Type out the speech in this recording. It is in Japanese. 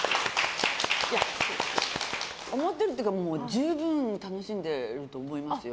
思っているというか十分楽しんでいると思いますよ。